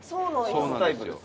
「そうなんや」